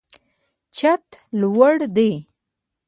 چت لوړ دی.